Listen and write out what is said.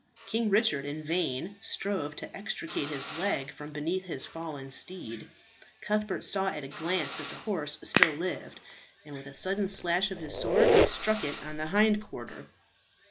King Richard in vain strove to extricate his leg from beneath his fallen steed. Cuthbert saw at a glance that the horse still lived, and with a sudden slash of his sword he struck it on the hind quarter.